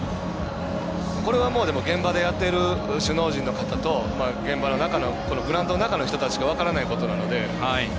これは現場でやっている首脳陣の方と現場の中のグラウンドの中の人たちしか分からないことなので。